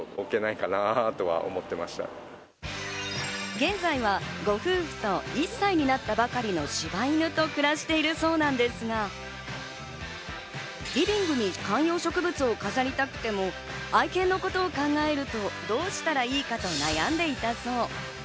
現在はご夫婦と１歳になったばかりの柴犬と暮らしているそうなんですが、リビングに観葉植物を飾りたくても愛犬のことを考えるとどうしたらいいかと悩んでいたそう。